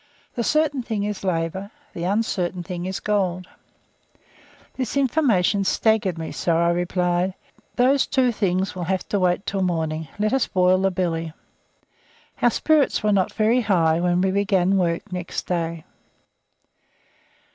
The certain thing is labour, the uncertain thing is gold." This information staggered me, so I replied, "Those two things will have to wait till morning. Let us boil the billy." Our spirits were not very high when we began work next day.